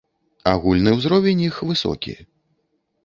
Агульны ўзровень іх высокі.